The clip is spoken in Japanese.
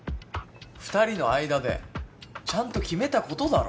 ２人の間でちゃんと決めた事だろ。